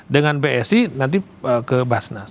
dengan bsi nanti ke basnas